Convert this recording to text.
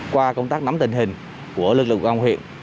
qua công tác nắm tình hình của lực lượng công an huyện